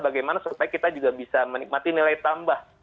bagaimana supaya kita juga bisa menikmati nilai tambah